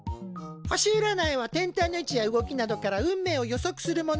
星うらないは天体の位置や動きなどから運命を予測するもの。